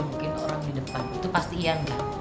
gak mungkin orang di depan itu pasti ian gak